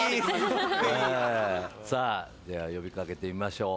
さあでは呼びかけてみましょう。